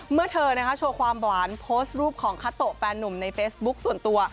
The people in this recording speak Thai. เมื่อเธอโชว์ความหวานโพสต์รูปของคาโตะแฟนนุ่มในเฟซบุ๊คส่วนตัว